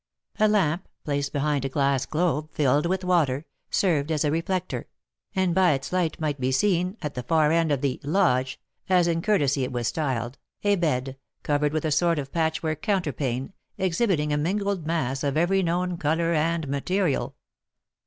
A lamp, placed behind a glass globe filled with water, served as a reflector; and by its light might be seen, at the far end of the "lodge" (as in courtesy it was styled), a bed, covered with a sort of patchwork counterpane, exhibiting a mingled mass of every known colour and material.